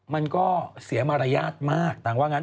มันก็เสียมารยาทมาก